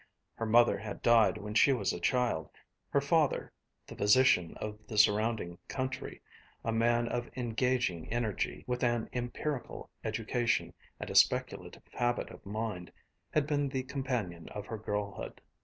Her mother had died when she was a child. Her father, the physician of the surrounding country, a man of engaging energy with an empirical education and a speculative habit of mind, had been the companion of her girlhood.